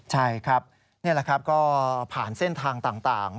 ใช่ครับนี่แหละครับก็ผ่านเส้นทางต่าง